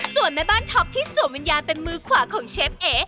ส่วนแม่บ้านท็อปที่สวมวิญญาณเป็นมือขวาของเชฟเอ